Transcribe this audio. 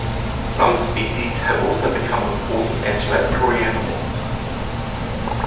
Some species have also become important as laboratory animals.